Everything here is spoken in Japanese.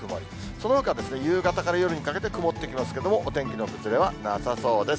そのほかは夕方から夜にかけて曇ってきますけれども、お天気の崩れはなさそうです。